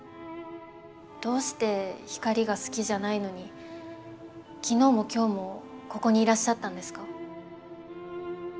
どうして光が好きじゃないのに昨日も今日もここにいらっしゃったんですか？